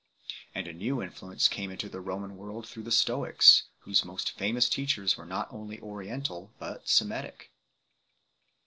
And a new influence came into the Roman world through the Stoics, whose most famous teachers were not only Oriental but Semitic.